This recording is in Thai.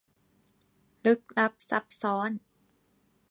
ลึกลับซับซ้อน